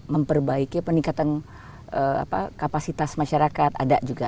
memperbaiki peningkatan kapasitas masyarakat ada juga